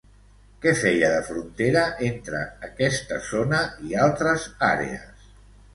Què feia de frontera entre aquesta zona i altres àrees?